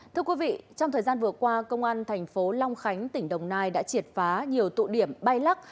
thưa quý vị trong thời gian vừa qua công an thành phố long khánh tỉnh đồng nai đã triệt phá nhiều tụ điểm bay lắc